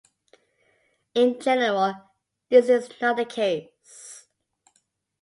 In general, this is not the case.